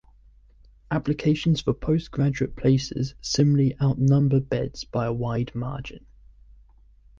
Applications for postgraduate places similarly outnumber beds by a wide margin.